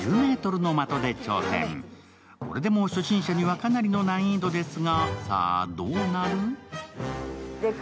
これでも初心者にはかなりの難易度ですが。